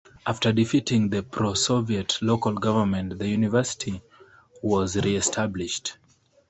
After defeating the pro-soviet local government, the university was re-established.